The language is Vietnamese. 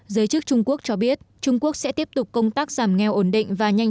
giới chức trung quốc cho biết trung quốc sẽ tiếp tục công tác giảm nghèo ổn định và nhanh